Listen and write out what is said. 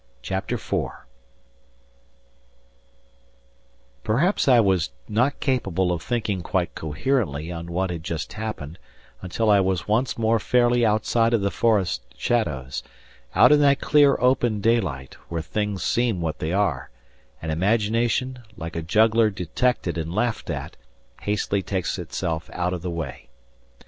CHAPTER IV Perhaps I was not capable of thinking quite coherently on what had just happened until I was once more fairly outside of the forest shadows out in that clear open daylight, where things seem what they are, and imagination, like a juggler detected and laughed at, hastily takes itself out of the way.